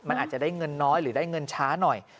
มันอาจจะได้เงินน้อยหรือได้เงินช้าหน่อย